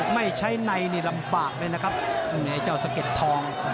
ไม่ใช้ในนี่ลำบากเลยนะครับไอ้เจ้าสะเก็ดทอง